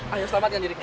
ayo selamatkan diri kita